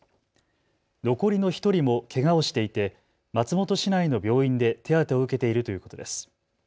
残りの１人もけがをしていて松本市内の病院で手当てを受けているということです。